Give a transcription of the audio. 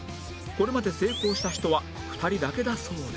これまで成功した人は２人だけだそうです